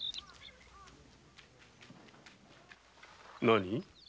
何？